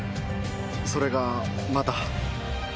それがまだ。